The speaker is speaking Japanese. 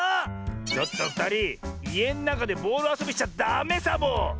ちょっとふたりいえのなかでボールあそびしちゃダメサボ！